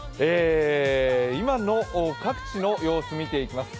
今の各地の様子見ていきます。